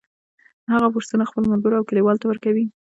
هغه بورسونه خپلو ملګرو او کلیوالو ته ورکوي